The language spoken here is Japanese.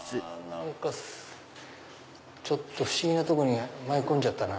ちょっと不思議なとこに迷い込んじゃったな。